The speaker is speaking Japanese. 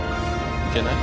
行けない？